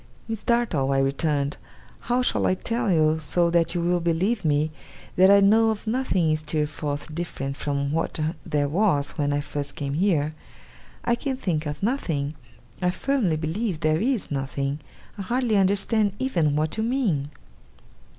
'Miss Dartle,' I returned, 'how shall I tell you, so that you will believe me, that I know of nothing in Steerforth different from what there was when I first came here? I can think of nothing. I firmly believe there is nothing. I hardly understand even what you mean.